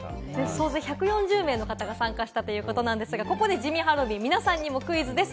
総勢１４０名の方が参加したということですがここで地味ハロウィン、皆さんにもクイズです。